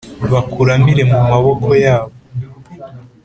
Bakuramire mu maboko yabo